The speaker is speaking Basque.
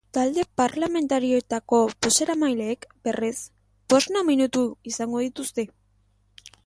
Talde parlamentarioetako bozeramaileek, berriz, bosna minutu izango dituzte.